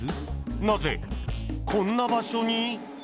なぜこんな場所に？